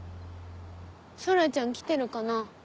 空ちゃん来てるかな。